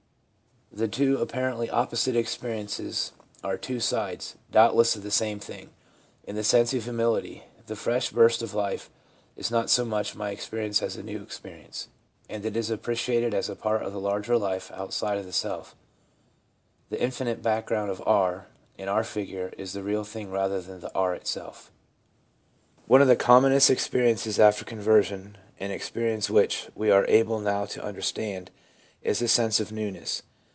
The two appar ently opposite experiences are two sides, doubtless, of the same thing. In the sense of humility, the fresh burst of life is not so much my experience as a new experi ence ; and it is appreciated as a part of the larger life outside the self. The infinite background of r, in our figure, is the real thing rather than r itself. One of the commonest experiences after conversion, an experience which we are able now to understand, is the sense of newness.